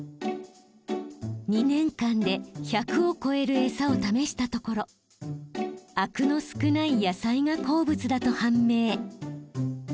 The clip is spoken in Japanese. ２年間で１００を超える餌を試したところあくの少ない野菜が好物だと判明。